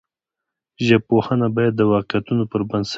ژبپوهنه باید د واقعیتونو پر بنسټ وي.